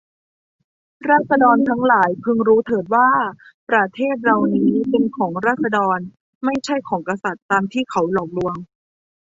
ราษฎรทั้งหลายพึงรู้เถิดว่า ประเทศเรานี้เป็นของราษฎร ไม่ใช่ของกษัตริย์ตามที่เขาหลอกลวง